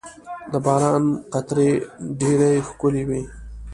• د باران قطرې ډېرې ښکلي وي.